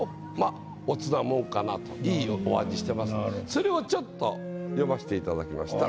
それをちょっと詠ましていただきました。